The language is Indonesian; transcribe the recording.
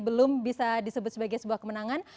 belum bisa disebut sebagai sebuah kemenangan